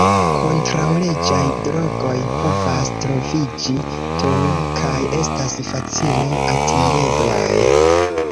Kontraŭleĝaj drogoj povas troviĝi tuj kaj estas facile atingeblaj.